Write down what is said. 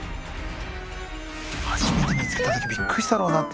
初めて見つけた時びっくりしたろうな。